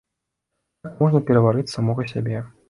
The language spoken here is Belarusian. Так можна пераварыць самога сябе.